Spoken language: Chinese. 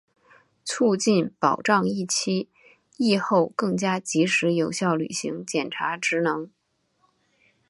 促进、保障疫期、疫后更加及时有效履行检察职能